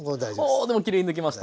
おでもきれいに抜けました。